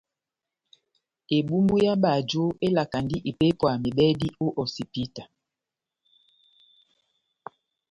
Ebumbu yá bajo elakandi ipépwa mebɛdi o hosipita.